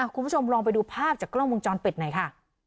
คุณผู้ชมลองไปดูภาพจากกล้องวงจรปิดหน่อยค่ะ